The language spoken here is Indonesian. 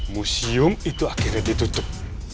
museum itu akhirnya ditutup